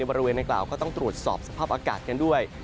บริเวณในกล่าวก็ต้องตรวจสอบสภาพอากาศกันด้วย